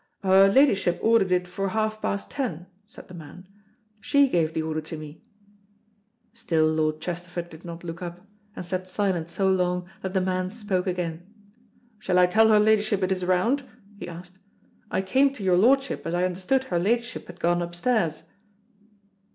"Her ladyship ordered it for half past ten," said the man. "She gave the order to me." Still Lord Chesterford did not look up, and sat silent so long that the man spoke again. "Shall I tell her ladyship it is round?" he asked. "I came to your lordship, as I understood her ladyship had gone upstairs."